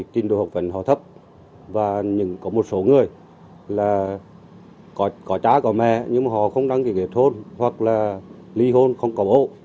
tình độ học vận họ thấp và có một số người là có cha có mẹ nhưng mà họ không đăng ký kết hôn hoặc là ly hôn không có bộ